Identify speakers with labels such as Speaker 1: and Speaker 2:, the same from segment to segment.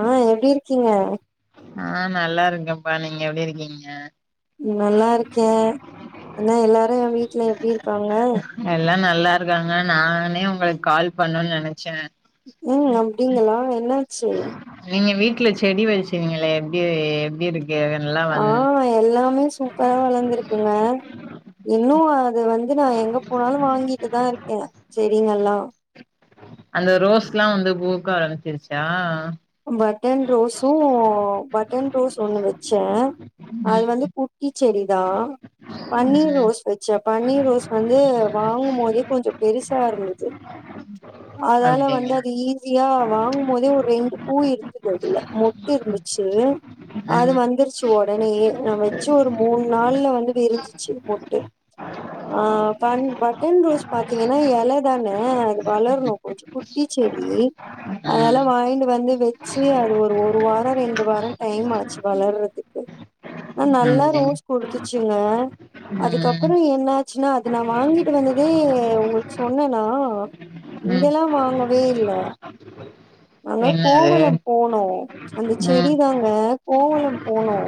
Speaker 1: ஆ எப்டி இருக்கீங்க
Speaker 2: ஆ நல்லா இருக்கேன்ப்பா நீங்க எப்டி இருக்கீங்க
Speaker 1: ம் நல்லாருக்கே அங்க எல்லாரு எ வீட்ல எப்டி இருக்காங்க
Speaker 2: எல்லா நல்லாருக்காங்க நானே உங்களுக் கால் பண்ணுன் நெனச்சே
Speaker 1: ம் அப்டிங்களா என்னாச்சு
Speaker 2: நீங்க வீட்ல செடி வெச்சீங்கல்ல எப்டி எப்டி இருக் கு எல்லா
Speaker 1: ஆ
Speaker 2: வந்
Speaker 1: எல்லாமே சூப்பரா வளந்திருக்குங்க இன்னு அது வந்து நா எங்க போனாலு வாங்கிட்டு தா இருக்கே செடிங்கல்லா
Speaker 2: அந்த ரோஸ்லா வந்து பூக்க ஆரம்பிச்சிருச்சா
Speaker 1: பட்டன் ரோஸு பட்டன் ரோஸ் ஒன்னு வெச்சே அது
Speaker 2: ம்
Speaker 1: வந்து குட்டி செடி தா பன்னீர்
Speaker 2: ம்
Speaker 1: ரோஸ் வெச்சே பன்னீர் ரோஸ் வந்து வாங்குமோதே கொஞ்ச பெருசா இருந்தது அதால வந்து
Speaker 2: அப்டிங்களா
Speaker 1: அது ஈஸியா வாங்குமோதே ஒர் ரெண்டு பூ இருந்துது அதுல மொட்டு இருந்துச்சு அது
Speaker 2: ம்
Speaker 1: வந்துருச்சு ஒடனயே நா வெச் சு ஒரு மூண் நாள்ல வந்து விரிஞ்சிச்சி மொட்டு ஆ பண் பட்டன் ரோஸ் பாத்தீங்கன்னா எலதான அது வளர்ணு கொஞ்சோ குட்டி செடி அதுனால
Speaker 2: ம்
Speaker 1: வாய்ங்ட்டு வந்து வெச்சு அது ஒரு ஒரு வாரோ ரெண்டு வாரோ டைம் ஆச்சு வளர்றதுக்கு ஆன் நல்லா
Speaker 2: அப்டிங்
Speaker 1: ரோஸ் குடுத்துச்சுங்க
Speaker 2: ம்
Speaker 1: அதுக்கப்பறோ என்னாச்சுன்னா அது நா வாங்கிட்டு வந்ததே உங்கள்க் சொன்னனா
Speaker 2: ம்
Speaker 1: இங்கல்லா வாங்கவே இல்ல நாங்க
Speaker 2: என்னது
Speaker 1: கோவலம் போனோ அந்த
Speaker 2: ம்
Speaker 1: செடி தாங்க கோவலம் போனோ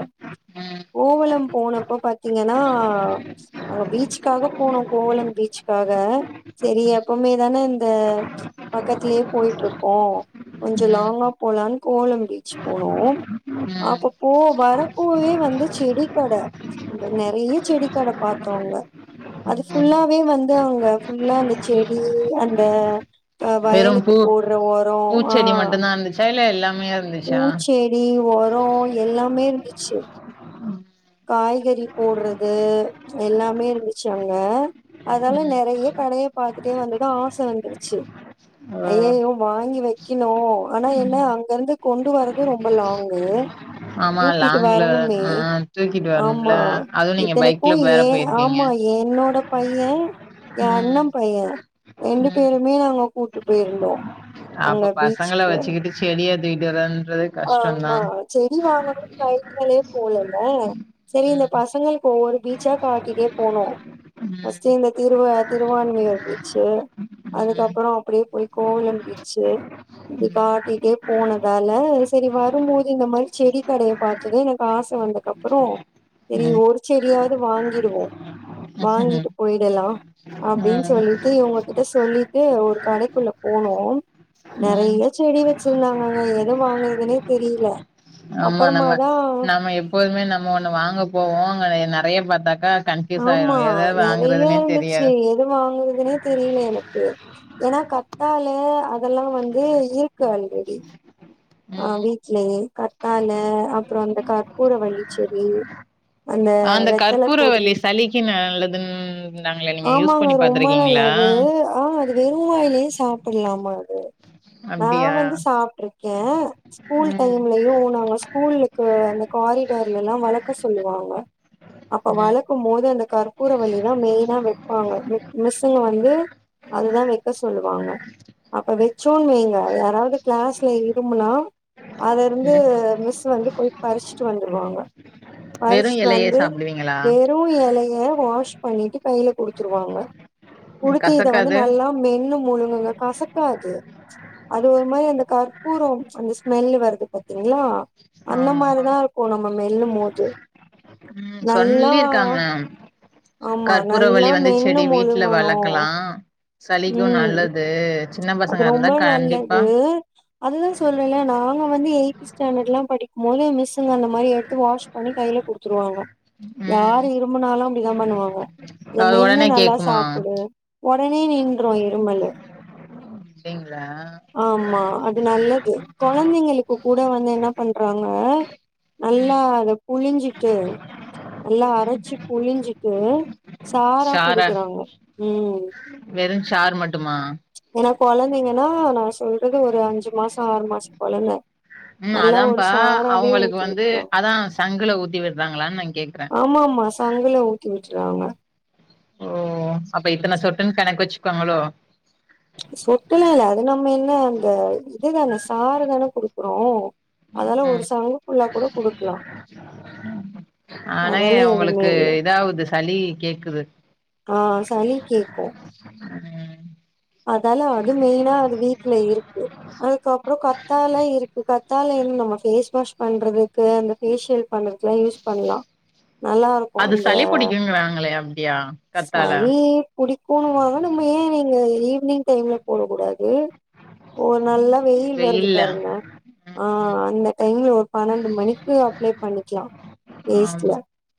Speaker 2: ம்
Speaker 1: கோவலம் போனப்ப பாத்தீங்கன்னா அங்க பீச் க்காக போனோ கோவலம் பீச்சுக்காக செரி எப்பவ்மே தான இந்த பக்கத்துலே போய்ட்ருக்கோ கொஞ்ச
Speaker 2: ம்
Speaker 1: லாங்கா போலான் கோவலம் பீச் போனோ
Speaker 2: ம்
Speaker 1: அப்ப போ வரப்போவே வந்து செடி கட அங்க நெறய செடி கட பாத்தோ அங்க அது
Speaker 2: ம்
Speaker 1: ஃபுல்லாவே வந்து அங்க ஃபுல்லா அந்த செடி அந்த த
Speaker 2: வெறும்
Speaker 1: வயலுக்கு
Speaker 2: பூ
Speaker 1: போட்ற ஒரோ ஆ
Speaker 2: பூச்செடி மட்டுந்தா இருந்துச்சா இல்ல எல்லாமே இருந்துச்சா
Speaker 1: பூச்செ டி ஒரோ எல்லாமே இருந்துச்சு காய்கறி போட்றது எல்லாமே இருந்துச்சு அங்க அதால
Speaker 2: ம்
Speaker 1: நெறய கடய பாத்துட்டே வந்தது ஆச வந்துருச்சு
Speaker 2: ஓ
Speaker 1: ஐயய்யோ வாங்கி வெக்கணு ஆனா என்ன அங்கருந்து கொண்டு வரதே ரொம்ப லாங்கு
Speaker 2: ஆமா
Speaker 1: தூக்கிட்டு
Speaker 2: லாங்ல
Speaker 1: வரணுமே
Speaker 2: ஆ தூக்கிட்டு வரணும்ல
Speaker 1: ஆமா
Speaker 2: அதுவு நீங்க
Speaker 1: இத்தனைக்கு
Speaker 2: பைக்ல வேற
Speaker 1: ஏ
Speaker 2: போயிருக்கீங்க
Speaker 1: ஆமா என்னோட பைய எ அண்ண
Speaker 2: ம்
Speaker 1: பைய ரெண்டு
Speaker 2: ம்
Speaker 1: பேருமே நாங்க கூட்டு போயிருந்தோ அங்க
Speaker 2: அப்ப பசங்கள
Speaker 1: பீச்சுக்கு
Speaker 2: வச்சுக்கிட்டு செடிய தூக்கிட்டு வரன்றது கஷ்டந்தா
Speaker 1: ஆமா செடி வாங்கணுன்ற ஐடியாலே போலங்க செரி இந்த
Speaker 2: ம்
Speaker 1: பசங்கள்க்கு ஒவ்வொரு பீ ச்சா காட்டிட்டே போனோ ஃபஸ்ட்டு
Speaker 2: ம்
Speaker 1: இந் த திருவ திருவான்மையூர் பீச்சு
Speaker 2: ம்
Speaker 1: அதுக்கப்பறோ அப்டியே போய் கோவலம் பீச்சு இப்டி காட்டிட்டே போனதால செரி வரும்போது இந்த மாரி செடி கடய பாத்தது எனக்கு ஆச வந்தக்கப் றோ செரி
Speaker 2: ம்
Speaker 1: ஒரு செடியாவ்து வாங்கிடுவோ வாங்கிட்டு
Speaker 2: ம்
Speaker 1: போய்டலா அப்டின் சொல்லிட்டு இவங்கக்கிட் ட சொல்லிட்டு ஒரு கடைக்குள்ள போனோ
Speaker 2: ம்
Speaker 1: நெறைய செடி வச்சிருந்தாங்கங்க எத வாங்கறதுனே தெரியல
Speaker 2: ஆமா நம்ம நம்ம எப்போதுமே நம்ம ஒண்ணு வாங்க போவோ அங்க நெறைய பத்தாக்கா கன்ஃயூஸ்
Speaker 1: ஆமா
Speaker 2: ஆயிரு ஏத
Speaker 1: நெறைய
Speaker 2: வதுங்கறதுனேு தெரியா
Speaker 1: இருந்துச்சு எது வாங்குறதுனே தெரியல எனக்கு ஏன்னா கத்தாலயோ அதெல்லா வந்து இருக்கு ஆல்ரெடி ஆ
Speaker 2: ம்
Speaker 1: வீட்லயே கத்தால அப்பறோ அந்த கற்பூர வள்ளிச்செடி
Speaker 2: அந்த கற்பூர வள்ளி சளிக்கு நல்லது இருந்தாங்கள நீங்க யூஸ்
Speaker 1: ஆமாங்க
Speaker 2: பண்ணி பா
Speaker 1: ரொம்ப நல்லது ஆ அது வெறு வாயிலயு சாப்பில்லாமா அது நா
Speaker 2: அப்டியா
Speaker 1: வந்து சாப்ட்ருக்கே ஸ்கூல்
Speaker 2: ம்
Speaker 1: டைம்லயு நாங்க ஸ்கூலுக்கு அந்த காரிடர்லல்லா வளக்க சொல்லுவாங்க அப்ப
Speaker 2: ம்
Speaker 1: வளக்கும் போது அந்த கற்பூர வள்ளிதா மெயினா வைப்பாங்க மிசுங்க வந்து அதுதா வைக்க சொல்லுவாங்க அப்ப வச்சோன்வைங்க யாராவது க்ளாஸ்ல எங் கும்லா அதருந்து
Speaker 2: ம்
Speaker 1: மிஸ் வந்து போய் பறிச்சுட்டு வந்துருவாங்க
Speaker 2: வெறு
Speaker 1: பறிச்சுட்
Speaker 2: இலையே
Speaker 1: வந்து
Speaker 2: சாப்டுவீங்களா
Speaker 1: வெறு எலைய வாஷ் பண்ணிட்டு கையில குடுத்துருவாங்க குடுத்து இத வந்து
Speaker 2: கசக்காது
Speaker 1: நல்லா மென்னு முழுங்குங்க கசக்காது அது ஒரு மாரி அந்த க பூரோ [unintelligible] அந்த ஸ்மெல்லு வருது பாத்தீங்களா அந்த
Speaker 2: ஆமா
Speaker 1: மார்தாருக்கூ நம்ம மெல்லு போது
Speaker 2: ம்
Speaker 1: நல்லா
Speaker 2: சொன்ல்லி இருக்காங்க
Speaker 1: ஆமா
Speaker 2: கற்பூர
Speaker 1: நல்லா
Speaker 2: வள்ளி வந்து
Speaker 1: மென்னு
Speaker 2: செடி வீட்ல
Speaker 1: முழுங்கணு
Speaker 2: வளக்கலா சளிக்கோ
Speaker 1: ம்
Speaker 2: நல்லது சின்ன
Speaker 1: அது
Speaker 2: பசங்க
Speaker 1: ரொம்ப
Speaker 2: இருந்தா கண்டிப்பா
Speaker 1: நல்லது அதுதா சொல்றேல நாங்க வந்து எயி்த் ஸ்டாண்டர்ட்ல்லா படிக்கு போது மிஸ் பசங்க அந்த மாரி எடுத்து வாஷ் பண்ணி கையில குடுத்துருவாங்க
Speaker 2: ம்
Speaker 1: யாரு இரும்புனாலு அப்படித்தா பண்ணுவாங்க இத
Speaker 2: அது
Speaker 1: மென்னு
Speaker 2: ஒடனே
Speaker 1: நல்லா
Speaker 2: கேக்குமா
Speaker 1: சாப்டு உடனே நின்று இரும்மலு
Speaker 2: அப்டிங்களா
Speaker 1: ஆமா அது நல்லது கொழந்தைங்களுக்கு கூட வந்து என்ன பண்றாங்க நல்லா புழிஞ்சிட்டு நல்லா அரச்சு புழிஞ்சிட்டு சாரா குடுக்குறாங்க ம்
Speaker 2: வெறு சார் மட்டுமா
Speaker 1: ஏன்னா கொழந்தைங்கன்னா நா சொல்றது ஒரு அஞ்சு மாஷோ ஆறு மாஷோ கொழந்த
Speaker 2: ம்
Speaker 1: நல்லா ஒரு
Speaker 2: அதாப்பா
Speaker 1: சாராவே
Speaker 2: அவங்களுக்கு
Speaker 1: ஊத்தி
Speaker 2: வந்து
Speaker 1: விட்ருவாங்க
Speaker 2: அதா சங்குல ஊத்தி விடுறாங்களான்னு நா கேக்குறே
Speaker 1: ஆமா மா சங்கல ஊத்தி விட்டுறாங்க
Speaker 2: ஓ அப்ப இத்தன சொட்டுன்னு கணக்கு வச்சுக்கோங்களோ
Speaker 1: சொட்டுலா இல்ல அது நம்ம என்ன அந்த இதுதான சாறு தான குடுக்குறோ அதலா ஒரு
Speaker 2: ம்
Speaker 1: சங்கு ஃபுல்லா கூட குடுக்கலா
Speaker 2: ஆனா
Speaker 1: அதெல்லா எதுவுமே
Speaker 2: உங்களுக்கு
Speaker 1: இல்ல
Speaker 2: இதாகுது சளி கேக்குது
Speaker 1: ஆ சளி கேக்கூ
Speaker 2: ம்
Speaker 1: அதால அது மெயினா அது வீட்ல இருக்கு அதுக்கப்பறோ கத்தால இருக்கு கத்தால இன்னு நம்ம பேஸ் வாஷ் பண்றது க்கு அந்த பேசியல் பண்றதுக்குலா யூஸ் பண்லா நல்லாரு
Speaker 2: அது சளி புடிக்குங்றாங்களே அப்டியா கத்தால
Speaker 1: சளி புடிக்கும்னு வாங்க நம்ம ஏ நீங்க ஈவி்னிங் டைம்ல போடக் கூடாது ஓ நல்ல வெயில் வருது
Speaker 2: வெயில்ல
Speaker 1: பாருங்க ஆ
Speaker 2: ம்
Speaker 1: அந்த டைம்ல ஒரு பன்னெண்டு மணிக்கு அப்ளை பண்ணிக்கலா
Speaker 2: ஆம்
Speaker 1: வேஸ்ட்ல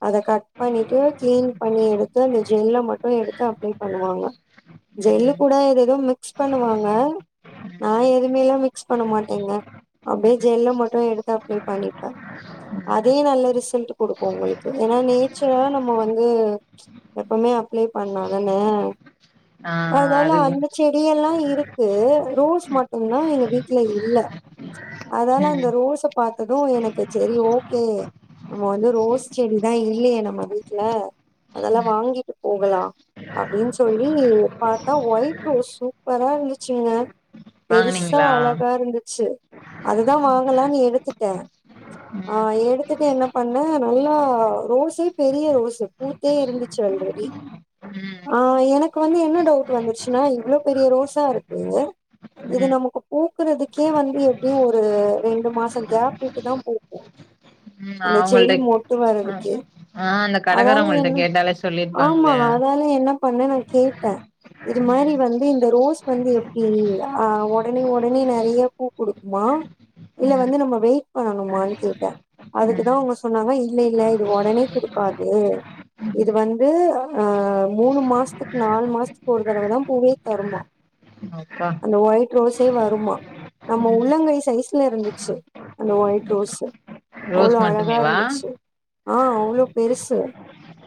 Speaker 1: அத கட் பண்ணிட்டு கிளீன் பண்ணி எடு அந்த ஜெல்ல மட்டு எடுத்து அப்ளை பண்ணுவாங்க ஜெல்லு
Speaker 2: ம்
Speaker 1: கூட எதேதோ மிக்ஸ் பண்ணுவாங்க நா எதுமேல்லா மிக்ஸ் பண்ண மாட்டேங்க அப்டியே ஜெல்ல மட்டு எடுத்து அப்ளை பண்ணிப்பே அதே நல்ல ரிசல்ட் கொடுக்கு உங்களுக்கு ஏன்னா நேச்சுரலா நம்ம வந்து எப்பவுமே அப்ளை பண்ணு அதானே
Speaker 2: ஆ
Speaker 1: அதனால
Speaker 2: அது
Speaker 1: அந்த செ டியல்லா இருக்கு ரோஸ் மட்டுதா எங்க வீட்ல இல்ல அதால அந்த
Speaker 2: ம்
Speaker 1: ரோஸை பாத்தது எனக்கு சேரி ஓகே நம்ம வந்து ரோஸ் செடிதா இல்லயே நம்ம வீட்ல அதெல்லா வாங்கிட்டு போகலா அப்டினு சொல்லி பாத்தா ஒயிட் ரோஸ் சூப்பரா இருந்துச்சுங்க பெருசா
Speaker 2: வாங்குனீங்களா
Speaker 1: அழகா இருந்துச்சு அத தா வாங்கலான்னு எடுத்துட்டே ஆ
Speaker 2: ம்
Speaker 1: எடுத்துட்டு என்ன பண்ணே நல்லா ரோஸே பெரிய ரோஸ்ஸு பூ டயே இருந்துச்சு ஆல்ரெடி
Speaker 2: ம்
Speaker 1: ஆ எனக்கு வந்து என்ன டவுட் வந்துருச்சுன்னா இவ்ளோ பெரிய ரோசா இருக்கு இது
Speaker 2: ம்
Speaker 1: நமக்கு பூக்குறதுக்கே வந்து எப்டி ஒரு ரெண்டு மாசோ கேப் விட்டு தா பூக்கு
Speaker 2: ம் அவங்க ள்ட்ட
Speaker 1: வர்றதுக்கு
Speaker 2: ஆ அந்த கடக்காரங்கள்ட்ட கேட்டாலே சொல்லிருப்பாங்ளே
Speaker 1: அதனால என்ன பண்ணு நா கேட்டே இது மாரி
Speaker 2: ம்
Speaker 1: வந்து இந்த ரோஸ் வந்து எப்டி அ ஒடனே ஒடனே நெறைய பூ குடுக்குமா இல்ல
Speaker 2: ம்
Speaker 1: வந்து நம்ம வெயிட் பண்ணணுமானு கேட்டே அதுக்கு தா
Speaker 2: ம்
Speaker 1: அவுங்க சொன்னாங்க இல்ல இல்ல இது ஒடனே குடுக்காது இது வந்து அ மூணு மாசத்துக்கு நாலு மாசத்துக்கு ஒரு தடவ தா பூவே தருமா
Speaker 2: அப்பா
Speaker 1: அந்த ஒயிட் ரோஸே வருமா நம்ம உள்ளங்கை சைஸ்ல இருந்துச்சு அந்த ஒயிட் ரோஸு
Speaker 2: ரோஸ்
Speaker 1: அவ்ளோ அழகா
Speaker 2: மட்டுமேவா
Speaker 1: இருந்துச்சு ஆ அவ்ளோ பெருசு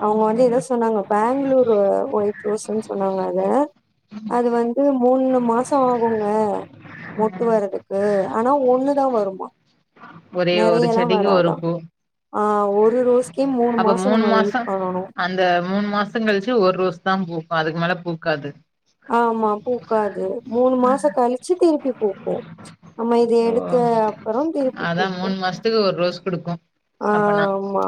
Speaker 1: அவுங்க வந்து எதோ சொன்னாங்க பேங்களூரு ஒயிட் ரோஸ்ன்னு சொன்னாங்க அத அது வந்து மூணு மாசோ ஆகுங்க மொட்டு வர்றதுக்கு ஆனா ஒண்ணுதா வருமா
Speaker 2: ஒரே ஒரு
Speaker 1: நெறையல்லா
Speaker 2: செடிக்கு ஒரு
Speaker 1: வராதா
Speaker 2: பூ
Speaker 1: ஆ ஒரு ரோஸ்கே மூணு மாசோ நம்ம வெயிட் பண்ணனு
Speaker 2: அந்த மூணு மாசோ கழிச்சு ஒரு ரோஸ் தா பூக்கு அதுக்கு மேல பூக்காது
Speaker 1: ஆமா பூக்காது மூணு மாசோ கழிச்சு திருப்பி பூக்கு நம்ம இத
Speaker 2: ஓ
Speaker 1: எடுத்த அப்புறோ திருப்பி பூக்கு
Speaker 2: இது ஒரு ரோஸ் குடுக்கு
Speaker 1: ஆ
Speaker 2: அப்பனா
Speaker 1: ஆமா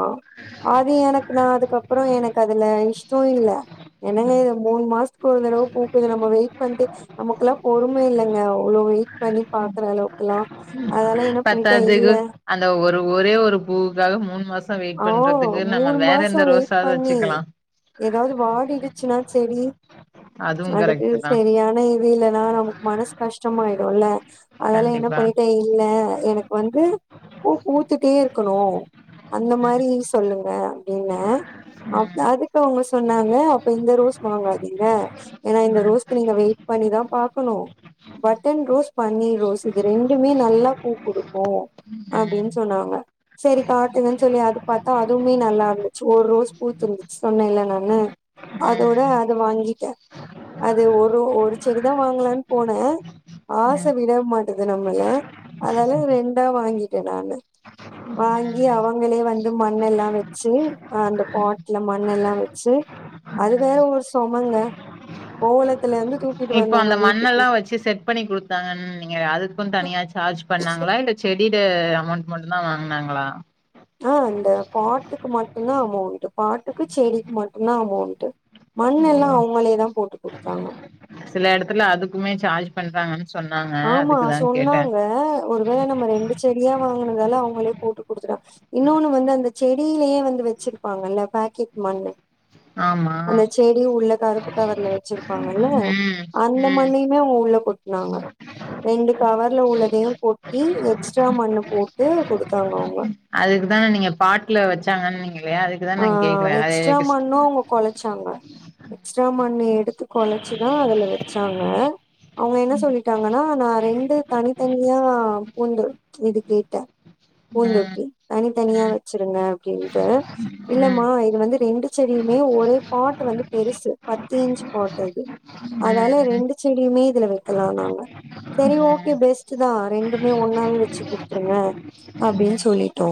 Speaker 1: அது எனக்கு நா அதுக்கப்பறோ எனக்கதுல இஷ்டோ இல்ல என்னங்க மூணு மாசத்துக்கு ஒரு தடவ பூக்குது நம்ம வெயிட் பண்ட்டு நமக்கெல்லா பொறும இல்லங்க அவ்ளவு வெயிட் பண்ணி பாக்குற அளவுக்ல்லா
Speaker 2: பத்தாதுக்கு அந்த ஒரு ஒரே ஒரு பூவுக்காக மூணு மாசோ சோ வெயிட்
Speaker 1: ஆ
Speaker 2: பண்றதுக்கு நம்ம வேற எந்த ரோசாது வச்சுக்கலா
Speaker 1: எதாவ்து வாடிடுச்சுன்னா செடி
Speaker 2: அதுவு
Speaker 1: அதுக்கு
Speaker 2: கரெக்ட் தா
Speaker 1: செரியான புரியலனா நமக்கு மனசு கஷ்டோமாயிடுல அதெல்லா என்ன
Speaker 2: கண்டிப்பா
Speaker 1: பண்ணிட்டே இல்ல எனக் வந்து பூ பூத்துட்டே இருக்கணு அந்த மாரி சொல்லுங்க அப்டின்னே அ அது
Speaker 2: ம்
Speaker 1: அப்ப அவுங்க சொன்னாங்க அப்ப இந்த ரோஸ் வாங்காதீங்க ஏன்னா இந்த
Speaker 2: ம்
Speaker 1: ரோஸ்க்கு நீங்க வெயிட் பண்ணிதா பாக்கணு பட்டன் ரோஸ் பன்னீர் ரோஸ் இது ரெண்டுமே நல்லா பூ குடுக்கு அப்டின் சொன்னாங்க செரி காட் டுவோன் சொல்லி அது பாத்தா அதுவுமே நல்லா இருந்துச்சு ஒரு ரோஸ் பூத்து இருந்துச்சு சொன்னேல்ல நானு அதோட
Speaker 2: ம்
Speaker 1: அது வாங்கிட்டே அது ஒரு ஒரு செடிதா வாங்கலான் போன ஆச
Speaker 2: ம்
Speaker 1: விட மாட்டேங் குது நம்மல அதால ரெண்டா வாங்கிட்டே நானு
Speaker 2: ம்
Speaker 1: வாங் கி
Speaker 2: ம்
Speaker 1: அவங்களே வந்து மண் எல்லா வச்சு அ அந்த பாட்ல மண் எல்லா வச்சு அது வேற ஒரு சொமங்க கோவலத்துல இருந்து தூக்கிட்டு வந்தோங்க வீட்டுக்கு
Speaker 2: பிக்ஸ் பண்ணி குடுதுட்டாங்கன்னீங்கள அதுக்கு தனியா சார்ஜ் பண்ணாங்களா இல்ல செடில அமௌண்ட் மட்டு தா வாங்னாங்ளா
Speaker 1: அ இந்த பாட்டுக்கு மட்டுந்தா அமௌண்ட் பாட்டுக்கு செடிக்கு மட்டுந்தா அமௌண்ட்டு மண் எல்லா
Speaker 2: ஓ
Speaker 1: அவுங்களே தா போட்டு குடுத்தாங்க
Speaker 2: சில எடத்துல அதுக்குமே சார்ஜ் பண்றாங்க
Speaker 1: ஆமா சொன்னாங்க ஒரு வேல நம்ம ரெண்டு செடியா வாங்குனதால அவுங்களே போட்டு குடுத்துட்டாங்க இன்னொன்னு வந்து அந்த செடியிலயே வந்து வச்சிருப்பாங்கல்ல பேக் கெட் மண்ணு
Speaker 2: ஆமா
Speaker 1: அந்த செ டி உள்ள கருப்பு கவர்ல வச்சிருப்பாங்கல்ல
Speaker 2: ம்
Speaker 1: அந்த
Speaker 2: ம்
Speaker 1: மண்ணயுமே அவுங்க உள்ள கொட்னாங்க ரெண்டு கவர்ல உள்ளதையு கொட்டி எக்ஸ்ட்ரா மண்ணு போட்டு குடுத்தாங்க அவுங்க
Speaker 2: அதுக்கு தான நீங்க பாட்ல வச்சாங்கன்னிங்ளே அதுக்கு தா
Speaker 1: ஆ
Speaker 2: நா கேக்குற அதே
Speaker 1: எக்ஸ்ட்ரா
Speaker 2: ஸ்
Speaker 1: மண்ணு அவங்க கொழச்சாங்க எக்ஸ்ட்ரா மண்ணு எடுத்து கொழச்சி தா அதுல வெச்சாங்க அவுங்க என்ன சொல்லிட்டாங்கன்னா நா ரெண்டு தனித்தனியா பூந்து இது கேட்ட
Speaker 2: ம்
Speaker 1: பூந்தொட்டி தனி தனியா
Speaker 2: ம்
Speaker 1: வச்சிருங்க அப்டின்ட்டு
Speaker 2: ம்
Speaker 1: இல்லமா இது வந்து ரெண்டு செடியுமே ஒரே பாட் வந்து பெருசு பத்து இன்ச் பாட் அது
Speaker 2: ம்
Speaker 1: அதால
Speaker 2: ம்
Speaker 1: ரெண்டு செடியுமே இதுல வைக்கலான்னாங்க சரி ஓகே
Speaker 2: ம்
Speaker 1: பெஸ்ட்டு தா ரெண்டுமே ஒன்னாவே வச்சு குடுத்துருங்க அப்டின்
Speaker 2: ம்
Speaker 1: சொல்லிட்டோ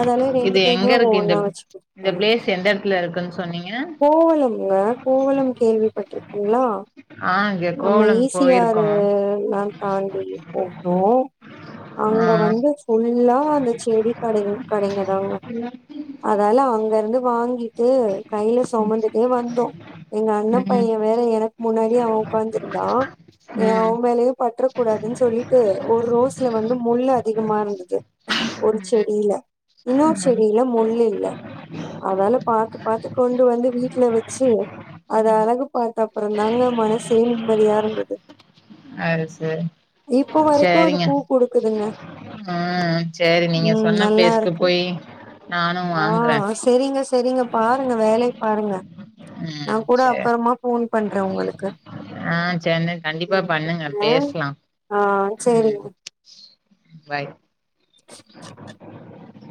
Speaker 1: அதால
Speaker 2: இது
Speaker 1: ரெண்டுத்தையுமே
Speaker 2: எங்க
Speaker 1: அவுங்க
Speaker 2: இருக்கு இந்த
Speaker 1: ஒன்னா வச்சி
Speaker 2: இந்த பிளேஸ் எந்த எடத்துல இருக்குன் சொன்னீங்கன்னா
Speaker 1: கோவலம்ங்க கோவலம் கேள்விப்பட்ருக்கீங்ளா
Speaker 2: ஆ இங்க
Speaker 1: நம்ம
Speaker 2: கோவளம்
Speaker 1: இ சி ஆரு
Speaker 2: போயிருக்கோ
Speaker 1: மேம் தாண்டி போக்னோ
Speaker 2: ஆ
Speaker 1: அங்க வந்து ஃபுல்லா அந்த செடி கடைங் கடைங்கதாங்க அதால அங்க இருந்து வாங்கிட்டு கையில சுமந்துட்டே வந்தோ எங்க அண்ண
Speaker 2: ம்
Speaker 1: பைய வேற எனக்கு முன்னாடியே அவ உக்காந்துருந்தா ஏனா அவ
Speaker 2: ம்
Speaker 1: மேலயு பட்றக் கூடாதுன் சொல்லிட்டு ஒரு ரோஸ்ல வந்து முள் அதிகமா இருந்துது ஒரு செடியில இன்னொரு
Speaker 2: ம்
Speaker 1: செடியில முள்ளு இல்ல அதால பாத்து பாத்துக் கொண்டு வந்து வீட்ல வச்சு அத அழகு பாத்த அப்றோ தாங்க மனசே நிம்மதியா இருந்துது
Speaker 2: அது சரி
Speaker 1: இப்போ வரைக்கு அது பூ குடுக்குதுங்க
Speaker 2: அ சேரி நீங்க
Speaker 1: ம்
Speaker 2: சொன்ன
Speaker 1: நல்லா
Speaker 2: பிளேஸ்க்கு
Speaker 1: இருக்கு
Speaker 2: போயி நானு
Speaker 1: ஆ
Speaker 2: வாங்குறே
Speaker 1: செரிங்க செரிங்க பாருங்க வேலைய பாருங்க நா
Speaker 2: ம்
Speaker 1: கூட
Speaker 2: சரி
Speaker 1: அப்றமா ஃபோன் பண்றே உங்களுக்கு
Speaker 2: ஆ சென்னை கண்டிப்பா பண்ணுங்க பேஸ்லா
Speaker 1: ஆ
Speaker 2: ம்
Speaker 1: செரிங்க
Speaker 2: பாய்